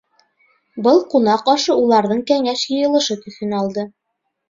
Был ҡунаҡ ашы уларҙың кәңәш йыйылышы төҫөн алды.